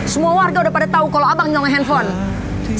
semua warga udah pada tahu kalau abang nyoman handphone